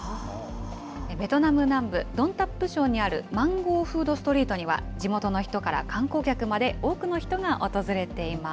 ベトナム南部ドンタップ省にある、マンゴー・フード・ストリートでは、地元の人から観光客まで、多くの人が訪れています。